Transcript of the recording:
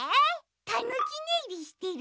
たぬきねいりしてる。